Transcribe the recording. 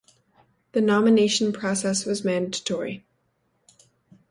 The nomination process was mandatory.